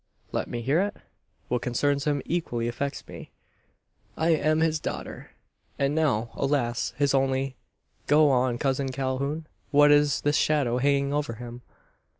"Let me hear it? What concerns him, equally affects me. I am his daughter; and now, alas, his only . Go on, cousin Calhoun! What is this shadow hanging over him?"